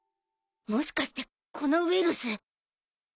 もしかしてこのウイルス。